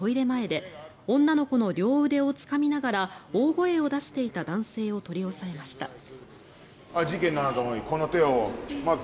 前で女の子の両腕をつかみながら大声を出していた男性を取り押さえました。